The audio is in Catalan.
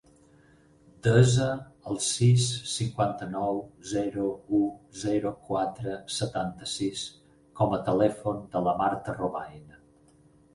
Desa el sis, cinquanta-nou, zero, u, zero, quatre, setanta-sis com a telèfon de la Marta Robayna.